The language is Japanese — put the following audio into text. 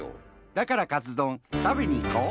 だからかつどんたべにいこう！